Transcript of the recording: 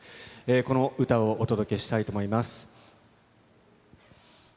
この歌をお届けしたいと思います。